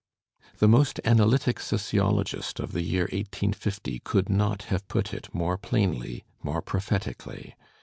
The most analytic sociologist of the year 1850 could not have put it more plainly, more prophetically.